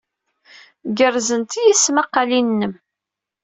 Gerẓent-iyi tesmaqqalin-nnem.